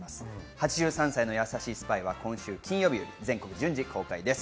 『８３歳のやさしいスパイ』は今週金曜日より全国順次公開です。